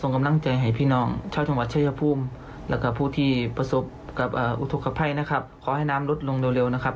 ขอให้น้ำลดลงเร็วนะครับ